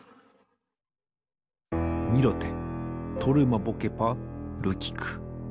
ミロテトルマボケパルキク。